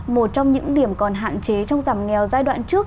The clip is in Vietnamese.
một trong những điểm còn hạn chế trong giảm nghèo giai đoạn trước